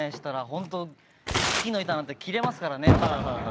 本当、スキーの板なんて切れますからね。